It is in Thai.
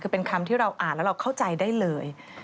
คือเป็นคำที่เราอ่านแล้วเราเข้าใจได้เลย